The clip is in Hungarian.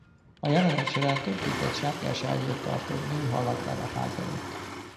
A jelenet során több tucat sárga esernyőt tartó nő halad el a ház előtt.